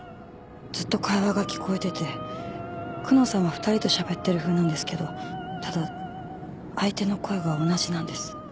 ずっと会話が聞こえてて久能さんは２人としゃべってるふうなんですけどただ相手の声が同じなんです。